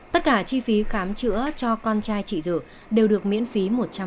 tất cả chi phí khám chữa cho con trai chị dự đều được miễn phí một trăm linh